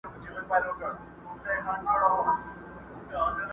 په لېمو دي پوهومه.